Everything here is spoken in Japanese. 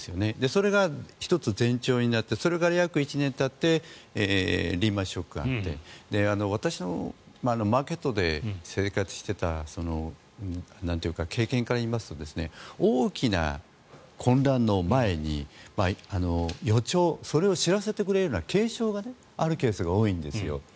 それが１つ、前兆になってそれから約１年たってリーマン・ショックがあってマーケットで生活していた経験から言いますと大きな混乱の前に予兆、それを知らせてくれるような警鐘があるケースが多いんですよね。